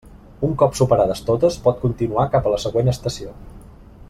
Un cop superades totes, pot continuar cap a la següent estació.